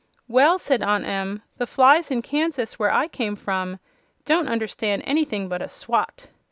"Well," said Aunt Em, "the flies in Kansas, where I came from, don't understand anything but a swat.